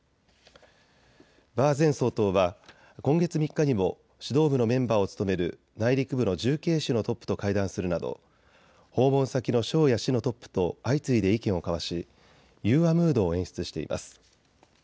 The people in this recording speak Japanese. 馬前総統は今月３日にも指導部のメンバーを務める内陸部の重慶市のトップと会談するなど訪問先の省や市のトップと相次いで意見を交わし融和ムードを演出しています。